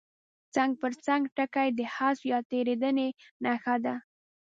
څنګ پر څنګ ټکي د حذف یا تېرېدنې نښه ده.